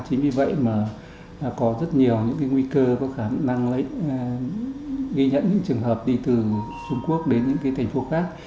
chính vì vậy có rất nhiều nguy cơ có khả năng ghi nhận những trường hợp đi từ trung quốc đến thành phố khác